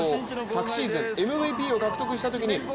昨シーズン、ＭＶＰを獲得したときに。